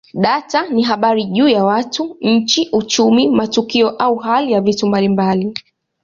Data ni habari juu ya watu, nchi, uchumi, matukio au hali ya vitu mbalimbali.